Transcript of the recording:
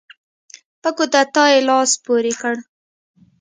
په کودتا یې لاس پورې کړ.